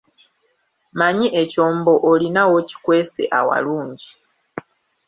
Mmanyi ekyombo olina w'okikwese awalungi.